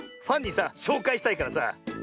ファンにさしょうかいしたいからさ。